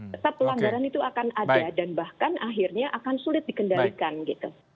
tetap pelanggaran itu akan ada dan bahkan akhirnya akan sulit dikendalikan gitu